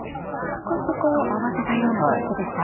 少しこう慌てたような手つきでした。